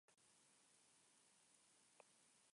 Solicitud de beneficios por jubilación e información general